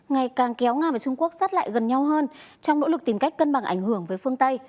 ngày càng kéo nga và trung quốc sát lại gần nhau hơn trong nỗ lực tìm cách cân bằng ảnh hưởng với phương tây